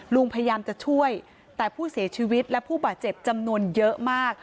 ลุงพยายามจะช่วยแต่ผู้เสียชีวิตและผู้บาดเจ็บจำนวนเยอะมาก